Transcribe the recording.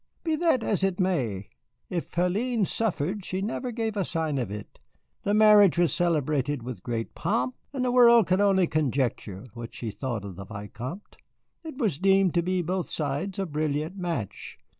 "Be that as it may, if Hélène suffered, she never gave a sign of it. The marriage was celebrated with great pomp, and the world could only conjecture what she thought of the Vicomte. It was deemed on both sides a brilliant match.